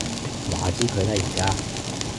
話之佢啦而家